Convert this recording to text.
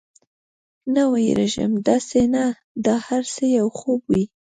نه، وېرېږم، داسې نه دا هر څه یو خوب وي.